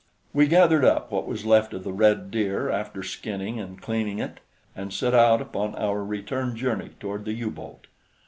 We gathered up what was left of the red deer after skinning and cleaning it, and set out upon our return journey toward the U boat.